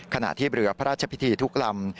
ขณะที่เรือพระราชพิธีทุกลำ